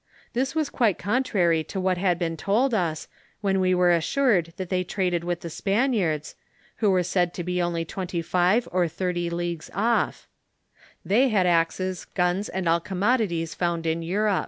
This was quite contrary to what had been told us, when we were assured that they traded with the Spaniards, who were said to be only twenty five or thirty leagues off; DISOOYEBIES IN TUE MISSISSIPPI VALLET. 188 they had axes, guns, and all commodities found in Europe.